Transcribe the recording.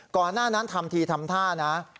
ก่อนหน้านั้นทำทีทำท่านะ